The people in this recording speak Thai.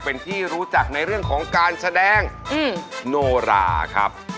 เป็นที่รู้จักในเรื่องของการแสดงโนราครับ